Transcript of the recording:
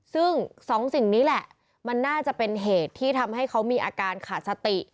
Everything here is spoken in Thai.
ซึ่งสองสิ่งนี้แหละมันน่าจะเป็นเหตุที่ทำให้เขามีอาการขาดสติ